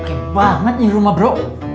oke banget ini rumah bro